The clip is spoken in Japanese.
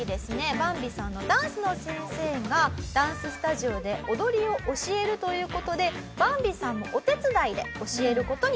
バンビさんのダンスの先生がダンススタジオで踊りを教えるという事でバンビさんもお手伝いで教える事になりました。